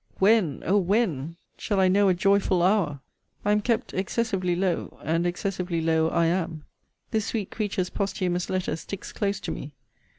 When, Oh! when, shall I know a joyful hour? I am kept excessively low; and excessively low I am. This sweet creature's posthumous letter sticks close to me.